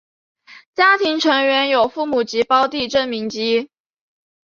家庭成员有父母及胞弟郑民基。